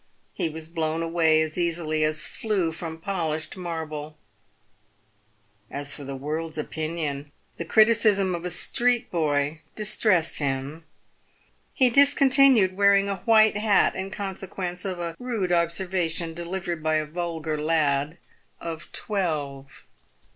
He was blown away as easily as flue from polished marble. As for the world's opinion, the criti 298 PAVED WITH GOLD. cism of a street boy distressed him. He discontinued wearing a white hat in consequence of a rude observation delivered by a vulgar lad of twelve.